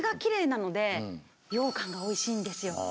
ようかんがおいしいんですよ。